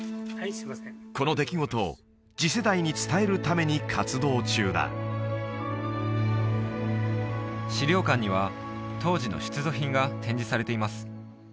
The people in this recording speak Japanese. この出来事を次世代に伝えるために活動中だ資料館には当時の出土品が展示されています